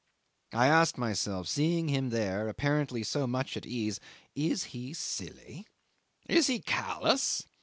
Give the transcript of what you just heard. I asked myself, seeing him there apparently so much at ease is he silly? is he callous?